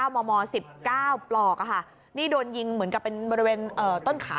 มม๑๙ปลอกนี่โดนยิงเหมือนกับเป็นบริเวณต้นขา